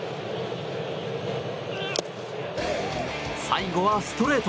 最後はストレート。